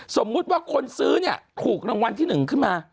สมมุติว่าคนซื้อเนี่ยถูกรางวัลที่๑ขึ้นมา